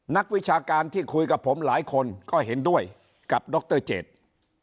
นักวิชาการที่คุยกับผมหลายคนก็เห็นด้วยกับดรเจต